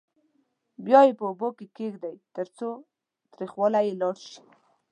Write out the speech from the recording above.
بیا یې په اوبو کې کېږدئ ترڅو تریخوالی یې لاړ شي.